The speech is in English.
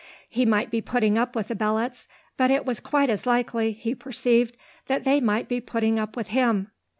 He might be putting up with the Belots, but it was quite as likely, he perceived, that they might be putting up with him.